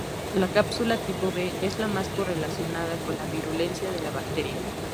La cápsula tipo "b" es la más correlacionada con la virulencia de la bacteria.